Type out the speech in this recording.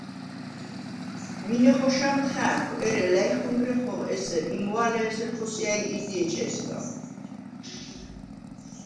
მინე ხოშა̄მდ ხა̄̈ქვ, ერე ლა̈ჲჰურნეხო ესერ, იმვა̄ლე ესერ ხოსია̈ჲ ირდი ეჩე̄სგა!